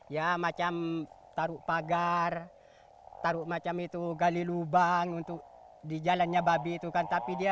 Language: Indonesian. ya macam taruh pagar taruh macam itu gali lubang untuk di jalannya babi itu kan tapi dia